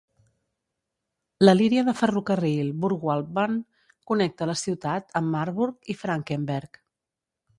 La línia de ferrocarril "Burgwaldbahn" connecta la ciutat amb Marburg i Frankenberg.